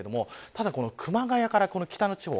ただ熊谷から北の地方。